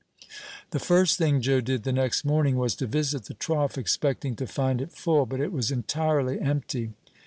The first thing Joe did the next morning was to visit the trough, expecting to find it full; but it was entirely empty.